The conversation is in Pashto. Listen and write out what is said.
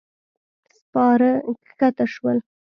سپاره کښته شول.